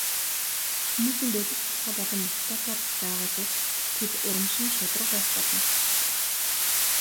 Хүмүүсийг бодит баталгаа болон магтаалаар байгуулбал тэд урамшин шударга байх болно.